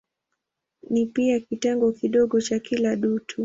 Ni pia kitengo kidogo cha kila dutu.